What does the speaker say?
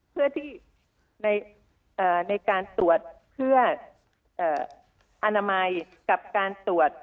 เพื่อที่ในการตรวจเพื่ออนามัยกับการตรวจ